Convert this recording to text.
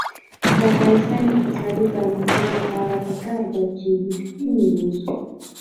د افغانستان د اقتصادي پرمختګ لپاره پکار ده چې ریښتیني اوسو.